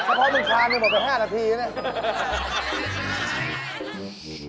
เฉพาะมึงคามนึงหมด๘๕นาทีแล้วนี่